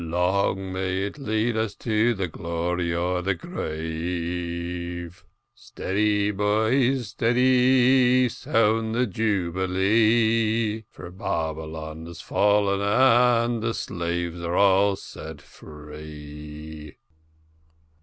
Long may it lade us to glory or the grave. Stidy, boys, stidy—sound the jubilee, For Babylon has fallen, and the niggers are all set free."